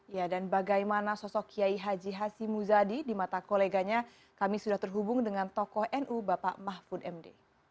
ya dan bagaimana sosok kiai haji hashim muzadi di mata koleganya kami sudah terhubung dengan tokoh nu bapak mahfud md